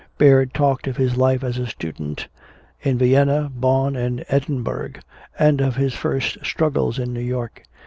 Baird talked of his life as a student, in Vienna, Bonn and Edinburgh, and of his first struggles in New York.